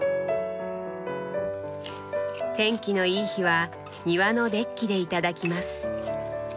天気のいい日は庭のデッキで頂きます。